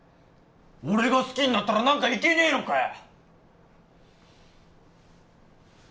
俺が好きになったら何かいけねえのかよ！